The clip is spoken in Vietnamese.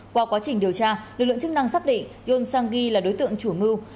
qua quá trình điều tra lực lượng chức năng xác định yoon sang gi là đối tượng chủ mưu